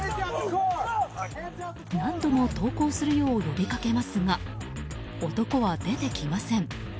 何度も投降するよう呼びかけますが男は出てきません。